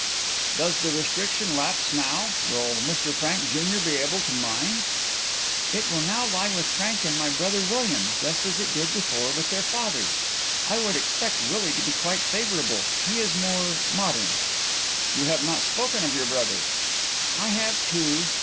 "Does the restriction lapse now; will Mr Frank junior be able to mine?" "It will now lie with Frank and my brother William, just as it did before with their fathers. I should expect Willie to be quite favourable. He is more modern." "You have not spoken of your brother." "I have two.